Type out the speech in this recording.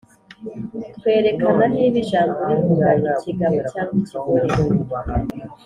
twerekana niba ijambo rivuga ikigabo cyangwa ikigore,